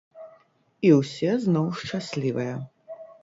І ўсе зноў шчаслівыя.